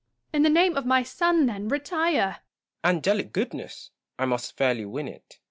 In the name of my son, then, retire ! Gaunt. Angelic goodness ! I must fairly win it.